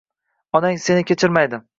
Onang seni kechirmaydi